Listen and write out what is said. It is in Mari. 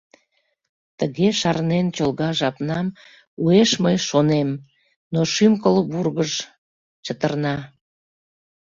Тыге шарнен чолга жапнам, уэш мый Шонем, но шӱм-кыл вургыж чытырна.